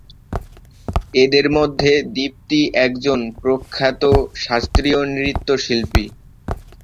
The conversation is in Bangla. এঁদের মধ্যে দীপ্তি একজন প্রখ্যাত শাস্ত্রীয় নৃত্যশিল্পী।